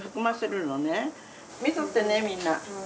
見とってねみんな。